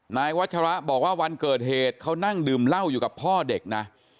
นายวัชระบอกว่าวันเกิดเหตุเขานั่งดื่มเหล้าอยู่กับพ่อเด็กนะ